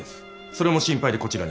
それも心配でこちらに。